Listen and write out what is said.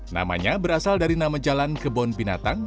namanya berasal dari nama jalan kebun binatang